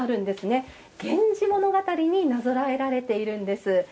「源氏物語」になぞらえられているんです。